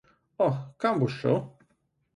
Oh, kam boš šel?